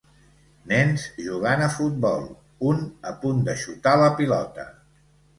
Nens jugant a futbol, un a punt de xutar la pilota.